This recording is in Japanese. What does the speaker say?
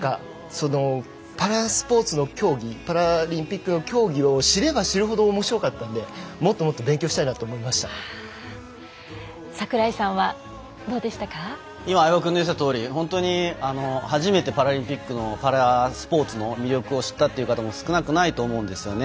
パラスポーツの競技パラリンピックの競技を知れば知るほどおもしろかったのでもっともっと櫻井さんは今、相葉君の言っていたとおり本当に初めてパラリンピックのパラスポーツの魅力を知ったという方も少なくないと思うんですよね。